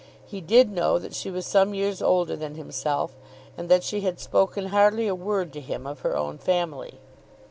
He did know that she was some years older than himself, and that she had spoken hardly a word to him of her own family.